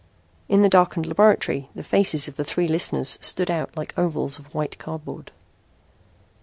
In the darkened laboratory the faces of the three listeners stood out like ovals of white cardboard.